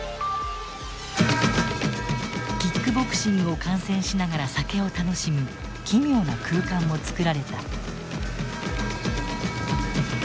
キックボクシングを観戦しながら酒を楽しむ奇妙な空間も作られた。